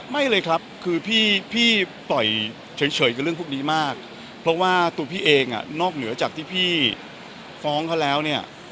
ไม่เลยครับคือพี่ปล่อยเฉยกับเรื่องพวกนี้มากเพราะว่าตัวพี่เองนอกเหนือจากที่พี่ฟ้องเขาแล้วเนี่ย